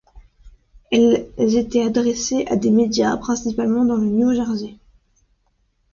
Elles étaient adressées à des médias, principalement dans le New Jersey.